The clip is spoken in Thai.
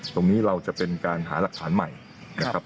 ตรงนี้เราจะเป็นการหาหลักฐานใหม่นะครับ